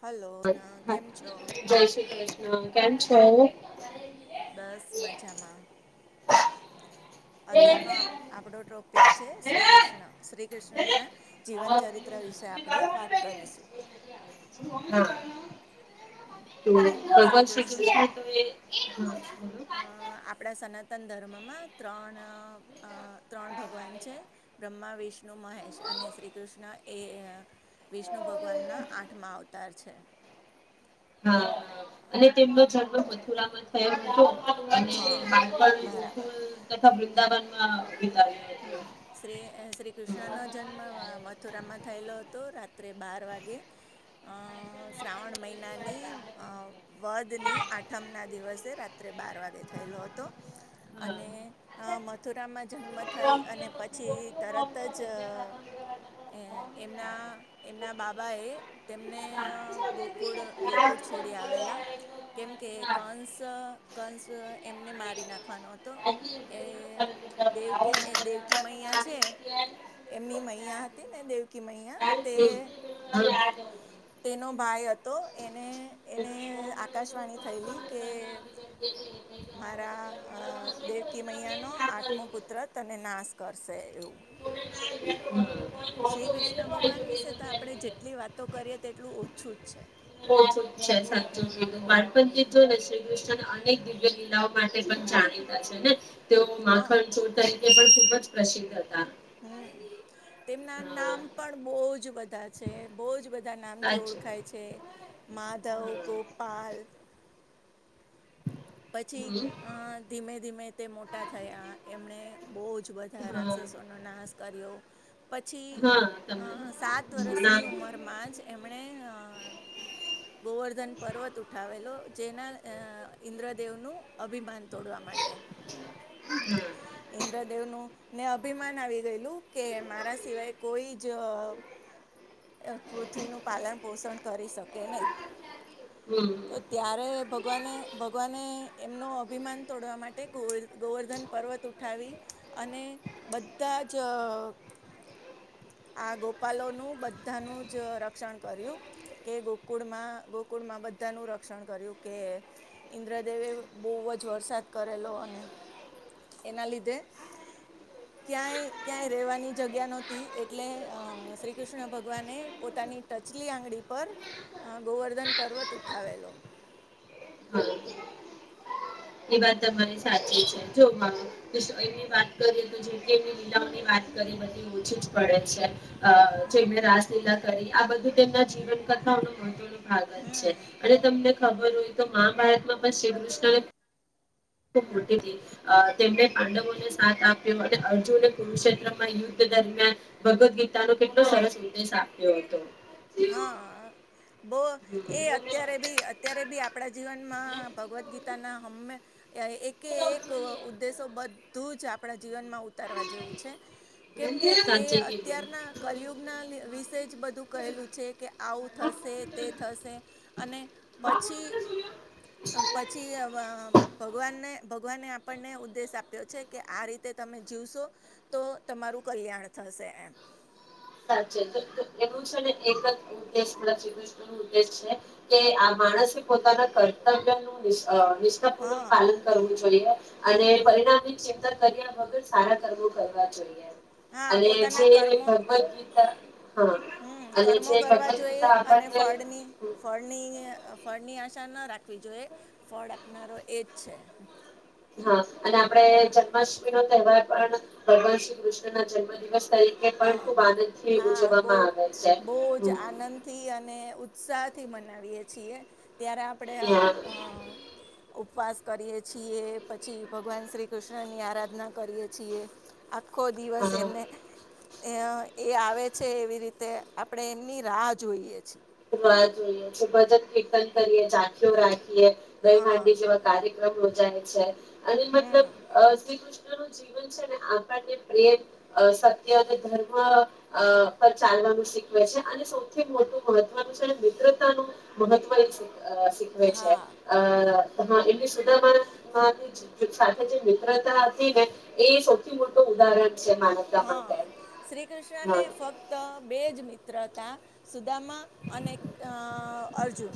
Hello હા કેમ છો જય શ્રી હા કેમ છે. બસ મજામાં અત્યારનો આપણો ટોપિક છે શ્રી કૃષ્ણ શ્રી કૃષ્ણના જીવન ચરિત્ર વિશે આપણેે વાત કરીશું. હા શ્રી કૃષ્ણ હ [unintelligible] તન ધર્મમાં ત્રણ ત્રણ ભગવાન છે બ્રહ્મા વિષ્ણુ મહેશ અને શ્રી કૃષ્ણ એ વિષ્ણુ ભગવાનના આઠમાં અવતાર છે. હા અને તેમનો જન્મ મથુરામાં થયો હતો હા [unintelligible] બરાબર તથા વૃંદાવન હા હમ શ્રી શ્રી હતું કૃષ્ણ હા નો જન્મ મથુરામાં થયેલો હતો રાત્રે બાર વાગે શ્રાવણ મહિનાની અ વધની આઠમના દિવસે રાત્રે બાર વાગે થયેલો હતો. હમ અને અ મથુરામાં જન્મ થઈ અને પછી તરત જ એમના એમના બાપા બાબા એ તેમને ગોકુળ ગોકુળ છોડી આવેલા કેમકે કંસ કંસ એમને મારી નાખવાનો હતો એ દેવ એ દેવકી મૈયા છે એમની મૈયા હતી ને દેવકી મૈયા તે હા તેનો ભાઈ હતો એને એને આકાશવાણી થયેલી કે મારા દેવકી મૈયાનોો આઠમો પુત્ર તને નાશ કરશે એવું શ્રી કૃષ્ણ ભગવાન વિશે તો આપણે હમ જેટલી વાતો કરીએ તેટલું ઓછું જ છે. સાચ બાણપણ જો ને શ્રી કૃષ્ણ અનેક દિવ્ય લીલાઓ માટે પણ જાણીતા છે ને તે હા માખણ ચોટાય તે પણ ખૂબ જ પ્રસિદ્ધ હતા હમ તેમના હા નામ પણ બહજ બધા છે બહજ બા બધા નામથી સાચું ઓળખાય છે માધવ હા ગોપાલ પછી હમ અ ધીમે ધીમે તે મોટા થયા એમણે બહુ જ બધા હા રાક્ષસોનો નાશ કર્યો પછી હા અ તમે સાત સાત વર્ષની નામ ઉંમરમાં જ એમણે ગોવર્ધન પર્વત ઉઠાવેલો જેના ઇન્દ્રદેવનું અભિમાન તોડવા માટે હા ઈન્દ્રદેવ નું ને અભિમાન આવી ગયેલું કે મારા સિવાય કોઈ જ પૃથ્વીનું પાલન પોષણ કરી શકે નહી તો હમ ત્યારે ભગવાને ભગવાને એમનો અભિમાન તોડવા માટે ગોવર્ધન પર્વત ઉઠાવી અને બધા જ આ ગોપાલોનું બધાનું જ રક્ષણ કર્યું કે ગોકુળમાં ગોકુળમાં બધાનું રક્ષણ કર્યું કે ઈન્દ્રદેવે બહુ જ વરસાદ કરેલો અને એના લીધે ક્યાંય ક્યાંય રહેેવાની જગ્યા નહોતી એટલે શ્રી કૃષ્ણ ભક્ત ભગવાને પોતાની ટચલી આંગળી પર ગોવર્ધન પર્વત ઉઠાવેલો. હા એ વાત તમારી સાચી છે જો એ વાત કરીએ તો જેમકે એની લીલાઓની વાત કરી બધી ઓછી જ પડે છે. આ ચમને રાજસલીલા આ બધું તેમના જીવન કથા ન હો હગત છે હમ અને તમને ખબર હોય તો મહાભારતમાં પણ શ્રીકૃષ્ણને ખ મોટી તેમને પાંડવોને સાથ આપ્યો અને અર્જુને કુરુક્ષેત્રમાં યુદ્ધ દરમિયાન ભગવદ્ ગીતાનો કેટલો સરસ ઉદેશ આપ્યો હતો. હા બહ હમ એ અત્યારે બી અત્યારે બી આપ આપણા જીવનમાં ભગવદ્ ગીતાના હમે એકે એક ઉદ્દેશો બધું જ આપણા જીવનમાં ઉતારવા જેવું છે. કેમ કે એ સાચે કીધું અત્યારના કલિયુગના તે જ બધું કહેલું છે કે આવું થશે તે થશે અને પછી પછી ભગવાનને ભગવાને આપણને ઉદ્દેશ આપ્યો છે કે આ રીતે તમે જીવશો તો તમારું કલ્યાણ થશે એમ. સાચ તો એનું છે ને એક જ ઉદ્દેશ શ્રી કૃષ્ણ ન ઉદ્દેશ છે કે આ માણસે પોતાના કર્તવ્ય નું નિસ્વાર્થ પૂવક હા પાલન કરવ [inaudible] અને હમ પરિણામ ની ચિંતા કર્યા વગર સારા કર્મો કરવા જોઈએ હા અને પોતાના જે કર્મો ભગવત હમ કર્મો કરવા ભગવદ જોઈએ ગીતા અને આપણને ફળની ફળની અઅ ફળ ની આશા ના રાખવી જોઈએ ફળ આપનારો એજ છે હા અને આપડે જન્માષ્ટમી નો તહેવાર પણ ભગવાન શ્રી કૃષ્ણ ના જન્મ દિવસ તરીકે પણ હા ખુબ આનંદથી હા બહુ ઉજવવામાં આવે છે હમ ઉત્સાહ થી મનાવીયએ છીએ ત્યારે આપડે હા ઉપવાસ કરીએ છીએ પછી ભગવાન શ્રી કૃષ્ણની આરાધના કરીએ છીએ આખો દિવસ હા એમને અ એ આવે છે એવી રીતે આપણે એમની રાહ જોઈએ છીએ રાહ જોઈએ ભજન કીર્તન કરીએ જાખીઓ રા એ દહી હા હાંડી જેવા કાર્ય [inaudible] જાય છે અને હમ મતલબ અ શ્રી કૃષ્ણ જીવન છે ને પ્રેમ સત્ય અને ધર્મ પર ચાલવાનું શીખવે છે અને સૌથી મોટું મહત્વનું છે અને મિત્રતાનું મહત્વ એ છે અ શીખવે છે હા હા એટલી સુદામા સાથે જે મિત્રતા હતી ને એ સૌથી મોટું ઉદાહરણ છે માનવતા માટે હા શ્રી કૃષ્ણને હા ફક્ત બે જ મિત્ર હતા સુદામા અને અ અર્જુન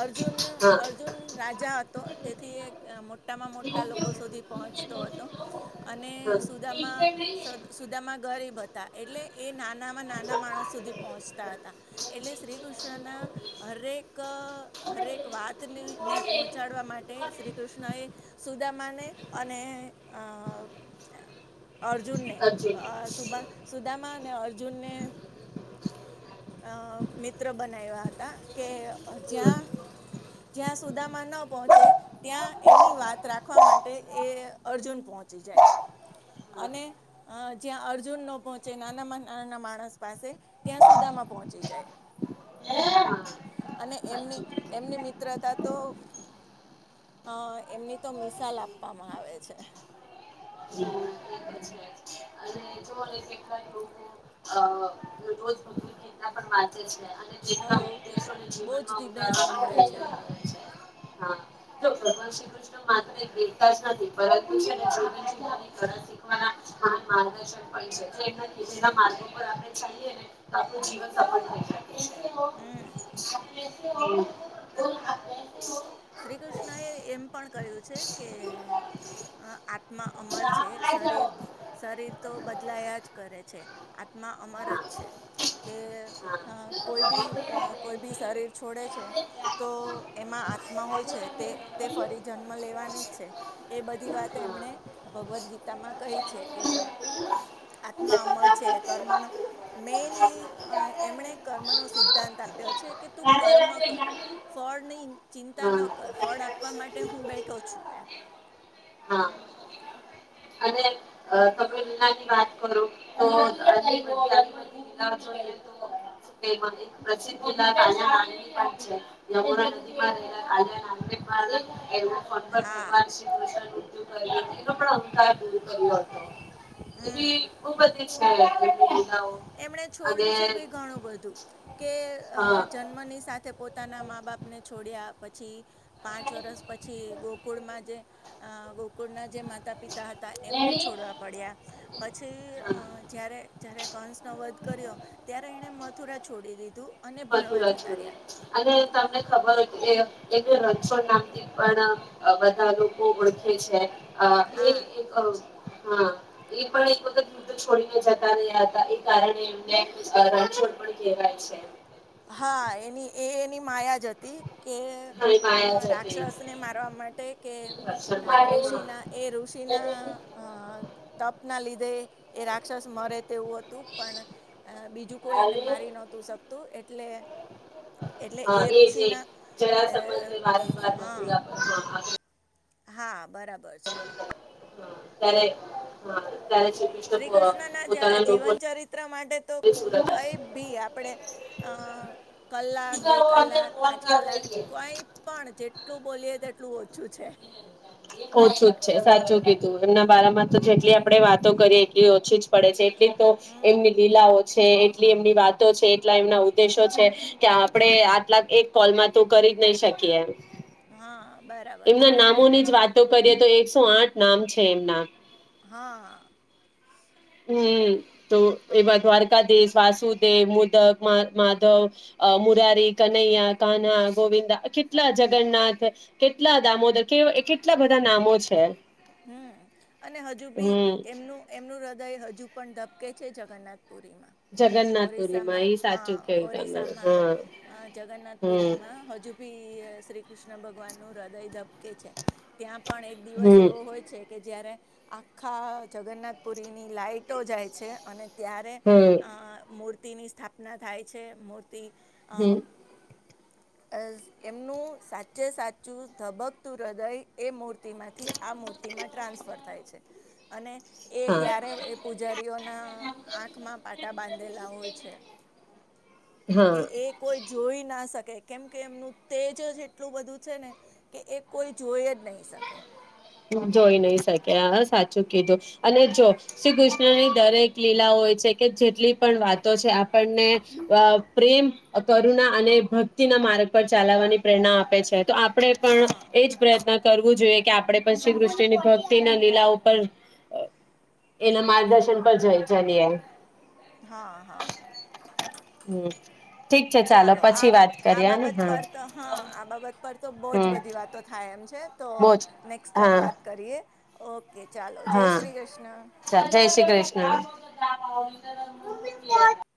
અર્જુન હા અર્જુન રાજા હતો તેથી એક મોટામાં મોટા લોકો સુધી પહોંચતો હતો અને હા સુદામા સદ મા ગરીબ હતા એટલે એ નાન નાનામાં નાના માણસ સુધી પહોંચતા હતા એટલે શ્રી કૃષ્ણના હરેક અ હરેક વાતને ને પહોંચાડવા માટે શ્રી કૃષ્ણ એ સુદામાને અને અ અર્જુનને અર્જુન અ સુબા સુદા અને અર્જુનને અ મિત્ર બનાયવા હતા કે હમ જ્યાં જ્યાં સુદામા ન પહોંચે ત્યાં એની વાત રાખવા માટે એ અર્જુન પહોંચી જાય હા અને જ્યાં અર્જુન ન પહોંચે નાનામાં નાના માણસ પાસે ત્યાં સુદામાં પહોંચી જાય. અને એમની સાચું અને એમની મિત્રતા તો અ એમની તો મિસાલ આપવામાં આવે છે જો કેટલાક લોકો હાચી છે અને જેટલા હલો ઉદ્દેશોને બહુ જ જીવનમાં ધીમે સંભળાય છે ઉતારવા [unintelligible] હા જો ભગવાન શ્રી કૃષ્ણ માત્ર દેવતા જ નથી પરંતુ [unintelligible] આપણું જીવન માર્ગો પર આપડે ચાલીયે ણે તો આપણું જીવન સફળ હમ થઈ જાય [inaudible] [inaudible] શ્રી કૃષ્ણ એ એમ પણ કહ્યું છે કે આત્મા અમર છે શરીર શરીર તો બદ લાય જ કરે છે. માં અમર જ હા છે. કે હા હ. કોઈ ભી અ કોઈ ભી શરીર છોડે તો એમાં આમા હોય છે તે તે ફરી જન્મ લેવાની જ છે, એ બધી વાત હા એમણે ભગવદ્ ગીતામાં કહી છે કે આત્મા અમર છે કર્મનો મેનલી એમણે કર્મનો સિદ્ધાંત આપ્યો છે કે તું કર્મ કર ફળની ચિંતા ન હા કર ફળ આપવા માટે હું બેઠો છું એમ હા [unintelligible] એવું કો પણર ભગવાન શ્રીકૃષ એ પણ અંકાય હા પૂર કર્યો હતો. હમ એવી બો બઘી - [inaudible] એમણે છોડ્યું છે ભી ઘણું બધું કે હા જન્મની સાથે પોતાના મા બાપને છોડ્યા. પછી પાંચ વર્ષ પછી ગોકુળમાં જે ગોકુળના જે માતા પિતા હતા એમને છોડવા પડ્યા. પછી અ હા જયારે જય્યારે કન્સ ન વધ કર્યો ત્યારે એણે મથુરા છોડી દીધું. અને ભણવા મધુરા જતા છોરી રહ્યા અને તમને ખબર હો કે એટલે રસો નામથી પણ બધા લોકો ઓળખે છે. અ એ હા એક હા એ પણ એક વખત વૃદ્ધ છોડીને જતા રહ હતા એ કારણે એમને રણછોડ પણ કેહેવાય છે. હા એની એ એની માયા જ હતી. કે હા એ માયા જ હતી રાક્ષસને મારવા માટે કે ઋષિના એ ઋષિના સપના લીધે એ રાક્ષસ મરે તેવું હતું પણ બીજું કોઈ એને મારી નતું શકતું. એટલે એટલે હા એ છે ઋષિના જરા અ, સમ અ, વાર પ. હા [unintelligible] હા. બરાબર છે હા સરે હા શ્રી કૃષ્ણ ના પોતાના જીવન લોકોને ચરિત્ર માટે તો સુરત કઈ ભી આપણેે કલાક બે કલાક પાંચ કલાક કઈ પણ જે એટલું બોલીએ તેટલું ઓછું છે ઓછું જ છે સાચું કીધું એમના બારામાં તો જેટલી આપડે વાતો કરીએ એટલી ઓછી જ પડે છે તો હમ એમની લીલાઓ છે એટલી એમની વાતો છે એટલા એમના ઉદ્દેશો છે ્યા આપડણે હા આટલા એક કોલમાં તો કરી જ નહી શકીએ એમ હા બરાબર છે જ વાતો કરીએ તો એકસો આઠ નામ છે એમના હા હમ તો એવા દ્વારકાધીશ વાસુદેવ મુદક માધવ મુરારી કનૈયા કાના ગોવિંદા કેટલા જગન્નાથ કેટલા દામોદર કે કેટલા બધા નામો છે હમ અને હજુ બી હમ એમનું એમનું ઉદ હજુ પણ ધબકે છે જગન્નાથ પુરીમાં જગન્નાથપુરીમાં ઓરિસ્સામાં ઈ સાચું હા કેવું તમે ઓરિસ્સામાં હા હમ જગન્નાથપુરીમાં હજુ બી શ્રી કૃષ્ણ ભગવાન નું હૃદય ધઝબકે છે ત્યાં પણ એક દિવસ હમ એવો હોય છે કે જ્યારે આખા જગન્નાથપુરીની લાાઈટો જાય છે અને ત્યારે હમ મૂર્તિ મૂર્તિની સ્થાપના થાય છે મર્તિ તે હમ આ એમનું સાચે સાચું ધબકતું હૃદય એ મર્તિ તેમાંથી તેમાં ટ્રાન્સફર થાય છે અને એ હા ત્યારે એ પૂજારીઓ ના આંખમાં પાટા બાંધ મળેલા હોય છે કે હા એ કોઈ જોઈ ના શકે કેમકે એમનું તેજ જ એટલું બધું છે ને કે એ કોઈ જોઈ જ નહી શકે જોઈ નહી શકે સાચું કીધું અને જો શ્રી કૃષ્ણની દરેક લીલાઓ છે કે જેટલી પણ વાતો છે આપણને પ્રેમ કરુણા અને ભક્તિના માર્ગ પર ચલાવવાની પ્રેરણા આપે છે તો આપણે પણ હા એજ પ્રયત્ન કરવું જોઈએ કે આપડણે શ્રી કૃષ્ણની ભક્તિ ના લીલાઓ પર એના માર્ગદર્શન પર ચલી હા હા હમ ઠીક છે ચાલો આ પછી વા- વાત આ કરીએને બાબત હા. પર તો હા આ બાબત પર તો બહુ જ હમ બધી વાતો થાય એમ છે. તો બોજ નેક્સ્ટ ટાઈમ હા વાત કરીએ ઓ હા જય શ્રી કૃષ્ણ. ાવ [inaudible]